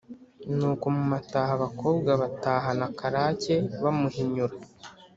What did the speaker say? nuko mu mataha, abakobwa batahana karake bamuhinyura